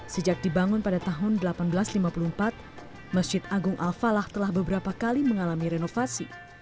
sejak dibangun pada tahun seribu delapan ratus lima puluh empat masjid agung al falah telah beberapa kali mengalami renovasi